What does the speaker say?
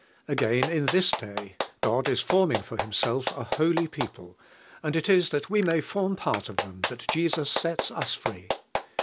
Again in this day, God is forming for Himself a holy people, and it is that we may form pant of lliem that Jesus sets ns free.